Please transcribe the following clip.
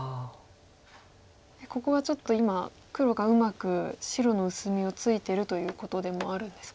ここはちょっと今黒がうまく白の薄みをついてるということでもあるんですか。